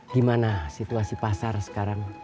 gimana situasi pasar sekarang